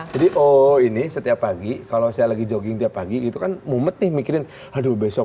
jadi oh ini setiap pagi kalau saya lagi jogging tiap pagi itu kan mumet nih mikirin aduh besok